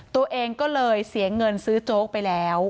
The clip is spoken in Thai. ตัวเองก็เลยเสียเงินซื้อโจ๊กไปแล้ว